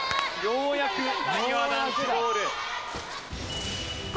ようやくなにわ男子ボール。